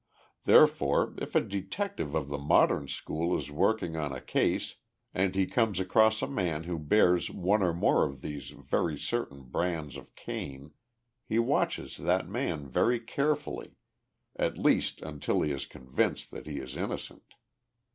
Therefore, if a detective of the modern school is working on a case and he comes across a man who bears one or more of these very certain brands of Cain, he watches that man very carefully at least until he is convinced that he is innocent.